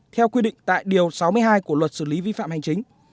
theo quy định tại điều sáu mươi hai của luật xử lý vi phạm hành chính